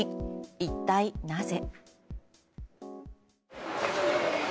一体なぜ。